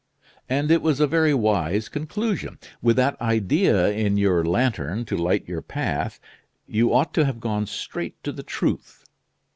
"And it was a very wise conclusion. With that idea in your lantern to light your path, you ought to have gone straight to the truth.